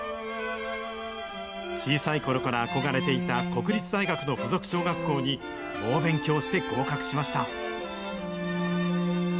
小さいころから憧れていた国立大学の附属小学校に、猛勉強して合格しました。